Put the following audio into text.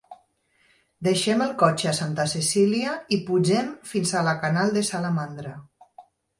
Deixem el cotxe a Santa Cecília i pugem fins a la Canal de la Salamandra.